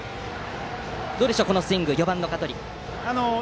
どうでしょう、このスイング４番の香取。